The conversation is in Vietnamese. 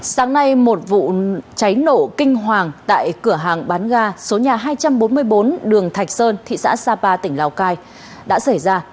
sáng nay một vụ cháy nổ kinh hoàng tại cửa hàng bán ga số nhà hai trăm bốn mươi bốn đường thạch sơn thị xã sapa tỉnh lào cai đã xảy ra